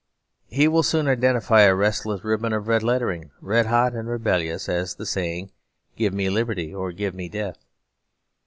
He will soon identify a restless ribbon of red lettering, red hot and rebellious, as the saying, 'Give me liberty or give me death.'